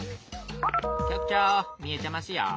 局長見えてますよ。